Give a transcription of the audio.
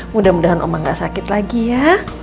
mudah mudahan oma gak sakit lagi ya